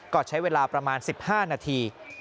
ก็ใช้เวลาประมาณ๑๕นาที